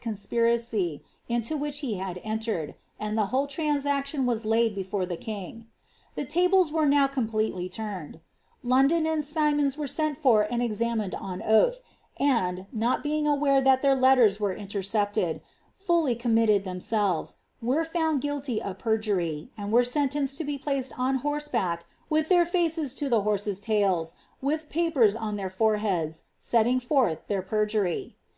conspiracy into which he had entered ; and the whole trans } laid before the king. The tables were now completely rondon and Symonds were sent for and examined on oath, 3ing aware that their letters were intercepted, fully committed , were found guilty of perjury, and were sentenced to be horseback with their faces to the horses' titils, with papers reheads, setting forth their perjury.